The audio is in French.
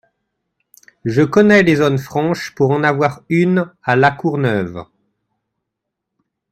Je connais les zones franches pour en avoir une à La Courneuve.